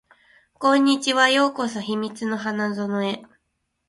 こんにちは。ようこそ秘密の花園へ